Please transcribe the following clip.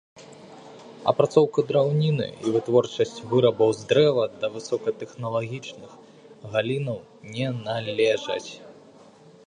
Апрацоўка драўніны і вытворчасць вырабаў з дрэва да высокатэхналагічных галінаў не належаць.